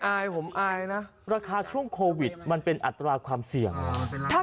อายผมอายนะราคาช่วงโควิดมันเป็นอัตราความเสี่ยง